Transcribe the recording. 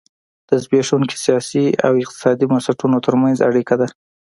د زبېښونکو سیاسي او اقتصادي بنسټونو ترمنځ اړیکه ده.